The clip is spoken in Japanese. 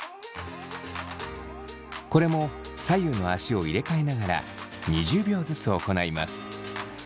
これも左右の足を入れ替えながら２０秒ずつ行います。